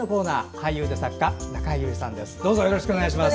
俳優で作家の中江有里さんです。